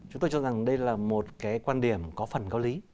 chúng tôi cho rằng đây là một cái quan điểm có phần có lý